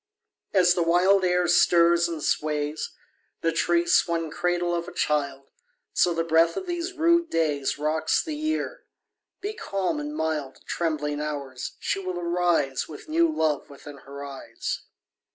3. As the wild air stirs and sways The tree swung cradle of a child, So the breath of these rude days _15 Rocks the Year: be calm and mild, Trembling Hours, she will arise With new love within her eyes.